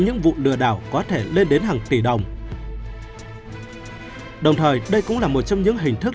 những vụ lừa đảo có thể lên đến hàng tỷ đồng đồng thời đây cũng là một trong những hình thức